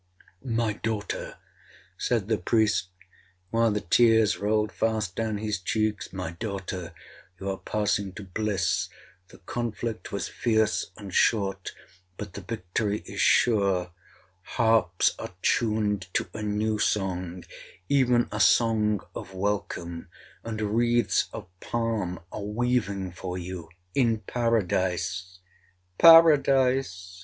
'My daughter,' said the priest, while the tears rolled fast down his cheeks—'my daughter, you are passing to bliss—the conflict was fierce and short, but the victory is sure—harps are tuned to a new song, even a song of welcome, and wreaths of palm are weaving for you in paradise!' 'Paradise!'